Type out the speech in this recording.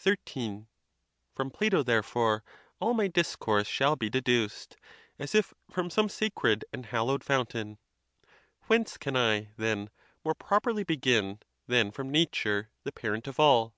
XIII. From Plato, therefore, all my discourse shall be deduced, as if from some sacred and hallowed fountain. Whence can I, then, more properly begin than from Nat ure, the parent of all?